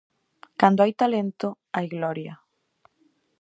Cando hai talento, hai gloria.